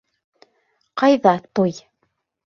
Ҡайҙа туй?